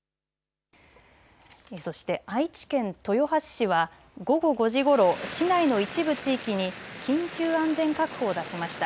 そして愛知県豊橋市は午後５時ごろ市内の一部地域に緊急安全確保を出しました。